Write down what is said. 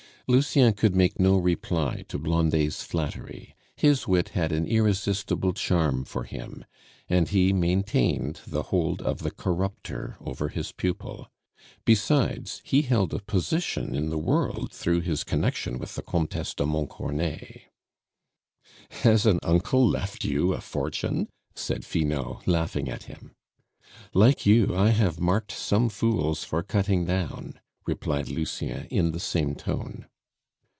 Lucien could make no reply to Blondet's flattery; his wit had an irresistible charm for him, and he maintained the hold of the corrupter over his pupil; besides, he held a position in the world through his connection with the Comtesse de Montcornet. "Has an uncle left you a fortune?" said Finot, laughing at him. "Like you, I have marked some fools for cutting down," replied Lucien in the same tone.